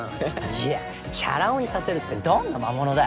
いやチャラ男にさせるってどんな魔物だよ。